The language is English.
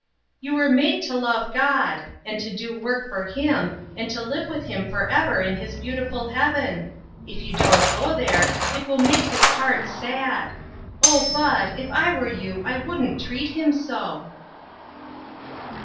" You were made to love God, and to do work for him, and to live with him forever in his beautiful heaven. If you don't go there, it will make his heart sad. Oh, Bud, if I were you, I wouldn't treat him so